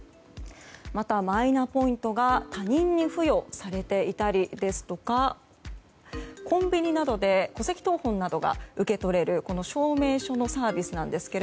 また、マイナポイントが他人に付与されていたりですとかコンビニなどで戸籍謄本などが受け取れる証明書のサービスなんですが